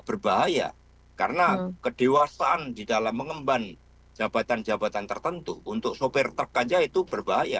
berbahaya karena kedewasaan di dalam mengemban jabatan jabatan tertentu untuk sopir truk saja itu berbahaya